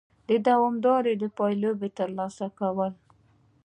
د دوامدارو پایلو د ترلاسه کولو